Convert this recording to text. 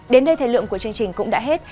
đến đây thời lượng của chương trình cũng đã hết